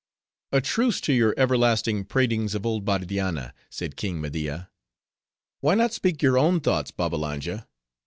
"A truce to your everlasting pratings of old Bardianna," said King Media; why not speak your own thoughts, Babbalanja?